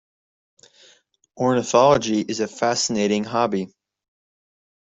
Ornithology is a fascinating hobby.